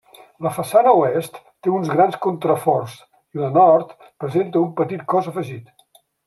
La façana oest té uns grans contraforts i la nord presenta un petit cos afegit.